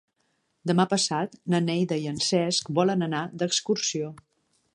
Demà passat na Neida i en Cesc volen anar d'excursió.